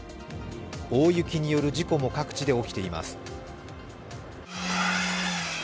大雪による事故も各地で起きています。